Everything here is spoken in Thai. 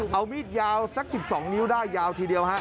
เอามีดยาวสัก๑๒นิ้วได้ยาวทีเดียวฮะ